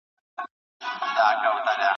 سره اوښان دي او په سرو غمیو بار دي